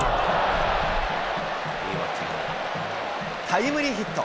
タイムリーヒット。